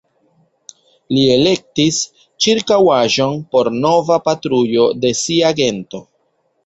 Li elektis ĉirkaŭaĵon por nova patrujo de sia gento.